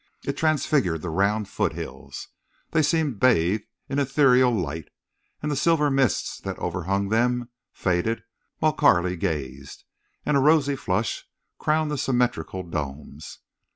It transfigured the round foothills. They seemed bathed in ethereal light, and the silver mists that overhung them faded while Carley gazed, and a rosy flush crowned the symmetrical domes.